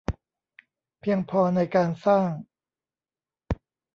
เพียงพอในการสร้าง